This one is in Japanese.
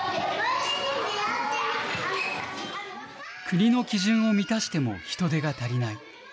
国の基準を満たしても人手が足りない。